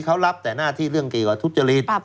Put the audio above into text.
เขารับแต่หน้าที่ถึงเรื่องกีกว่าทุภจิริต